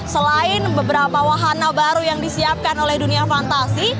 selain beberapa wahana baru yang disiapkan oleh dunia fantasi